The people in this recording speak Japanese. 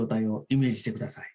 イメージしてください。